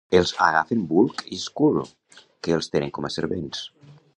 Els agafen Bulk i Skull, que els tenen com a servents.